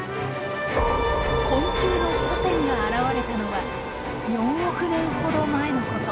昆虫の祖先が現れたのは４億年ほど前のこと。